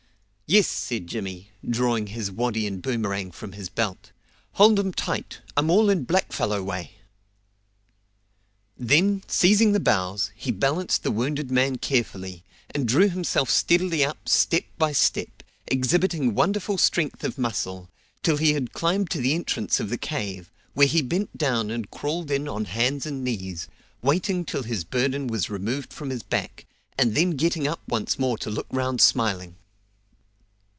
"Yes," said Jimmy, drawing his waddy and boomerang from his belt; "hold um tight, um all in black fellow way." Then, seizing the boughs, he balanced the wounded man carefully, and drew himself steadily up step by step, exhibiting wonderful strength of muscle, till he had climbed to the entrance of the cave, where he bent down and crawled in on hands and knees, waiting till his burden was removed from his back, and then getting up once more to look round smiling.